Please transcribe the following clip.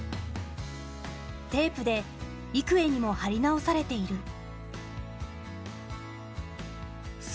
テープで幾重にも貼り直されている。